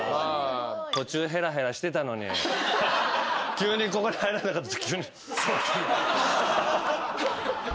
急にここに入らなかったら。